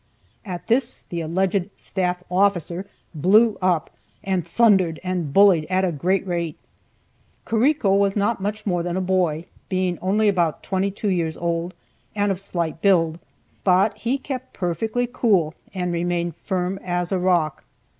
At this the alleged "staff officer" blew up, and thundered and bullied at a great rate. Carrico was not much more than a boy, being only about twenty two years old, and of slight build, but he kept perfectly cool and remained firm as a rock.